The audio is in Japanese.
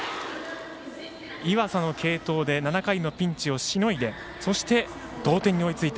岩佐の継投で７回のピンチをしのいでそして同点に追いついた。